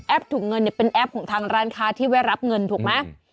ถุงเงินเนี่ยเป็นแอปของทางร้านค้าที่แวะรับเงินถูกไหม